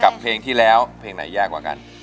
เพลงที่แล้วเพลงไหนแย่กว่ากัน